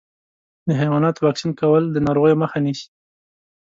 د حيواناتو واکسین کول د ناروغیو مخه نیسي.